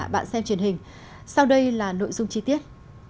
bạn xem truyền hình sau đây là nội dung chi tiết